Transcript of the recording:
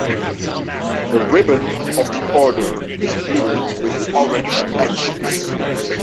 The "ribbon" of the Order is blue with orange edges.